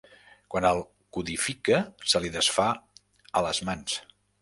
Quan el codifica se li desfà a les mans.